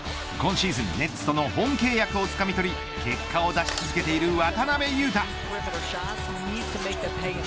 今シーズン、ネッツとの本契約をつかみ取り結果を出し続けている渡邊雄太。